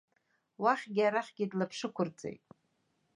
Уахьгьы-арахьгьы длаԥшықәырҵеит.